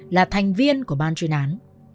là thành viên của ban chuyên án